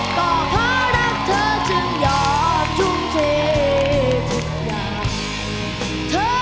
ก็เพราะรักเธอจึงยอมทุ่มเททุกอย่าง